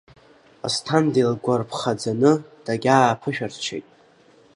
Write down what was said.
Асҭанда илгәарԥхаӡаны дагьааԥышәырччеит.